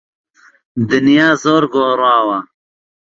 دنیا زۆر گۆڕاوە.